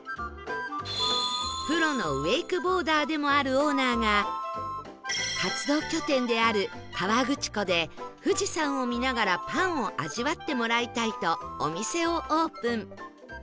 プロのウェイクボーダーでもあるオーナーが活動拠点である河口湖で富士山を見ながらパンを味わってもらいたいとお店をオープン